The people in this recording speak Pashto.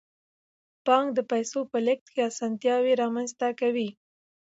بانک د پیسو په لیږد کې اسانتیاوې رامنځته کوي.